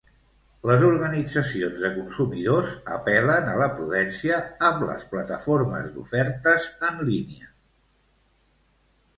Les organitzacions de consumidors apel·len a la prudència amb les plataformes d'ofertes en línia.